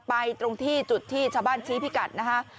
ตรงที่จุดที่ชาวบ้านชี้พิกัดนะฮะ